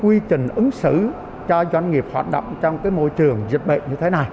quy trình ứng xử cho doanh nghiệp hoạt động trong môi trường dịch bệnh như thế này